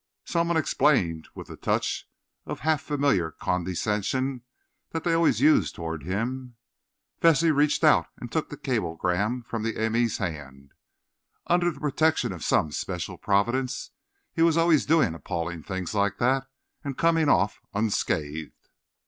Some one explained, with the touch of half familiar condescension that they always used toward him. Vesey reached out and took the cablegram from the m. e.'s hand. Under the protection of some special Providence, he was always doing appalling things like that, and coming, off unscathed.